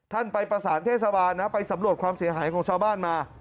ไปประสานเทศบาลนะไปสำรวจความเสียหายของชาวบ้านมา